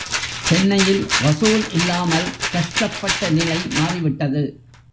சென்னையில் வசூல் இல்லாமல் கஷ்டப்பட்ட நிலை மாறி விட்டது.